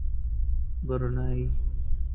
Brunei